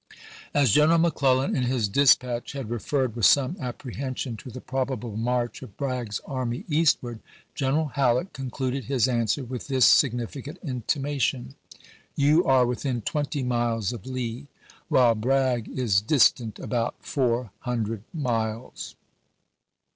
As General McClellan in his dispatch had referred with some apprehension to the probable march of Bragg's army eastward, General Halleck concluded his answer with this significant intima tion :" You are within twenty miles of Lee, while Bragg is distant about four hundred miles."